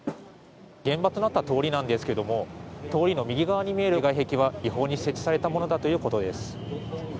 現場となった通りなんですけれども通りの右側に見える外壁は違法に設置されたものだということです。